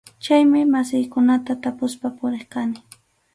Chaymi masiykunata tapuspa puriq kani.